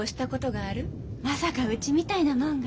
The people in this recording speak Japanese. まさかうちみたいなもんが。